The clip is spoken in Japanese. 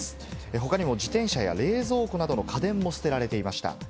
他にも自転車や冷蔵庫などの家電も捨てられていました。